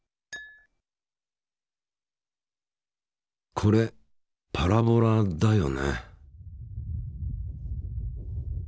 これパラボラだよね？